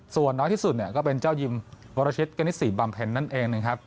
ส่วนน้อยที่สุดก็เป็นเจ้ายิมโบราชิตเกณฑ์๔บำเพ็นนั่นเอง